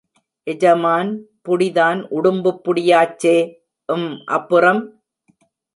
எஜமான் புடிதான் உடுப்புப் புடியாச்சே ம் அப்புறம்?